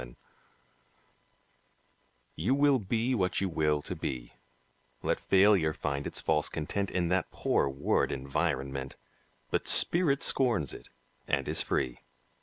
WILL You will be what you will to be; Let failure find its false content In that poor word "environment," But spirit scorns it, and is free.